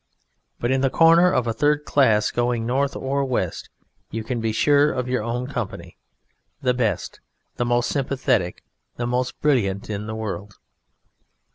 But in the corner of a third class going north or west you can be sure of your own company; the best, the most sympathetic, the most brilliant in the world.